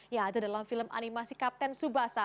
ya ada dalam film animasi kapten tsubasa